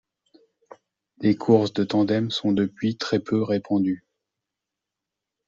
Les courses de tandem sont depuis très peu répandues.